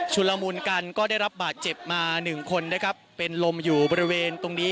ละมุนกันก็ได้รับบาดเจ็บมาหนึ่งคนนะครับเป็นลมอยู่บริเวณตรงนี้